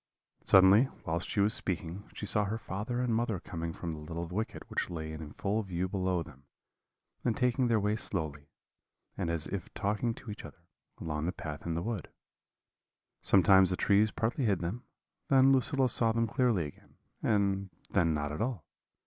"Suddenly, whilst she was speaking, she saw her father and mother coming from the little wicket which lay in full view below them, and taking their way slowly, and as if talking to each other, along the path in the wood. Sometimes the trees partly hid them, then Lucilla saw them clearly again, and then not at all.